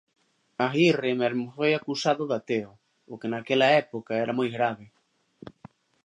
Aguirre mesmo foi acusado de 'ateo', o que naquela época era moi grave.